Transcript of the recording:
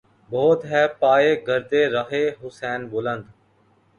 بہت ہے پایۂ گردِ رہِ حسین بلند